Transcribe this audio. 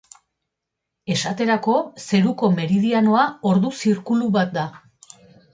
Esaterako, zeruko meridianoa ordu-zirkulu bat da.